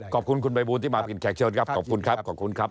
ขอบคุณคุณใบบูรที่มาบินแขกเชิญครับ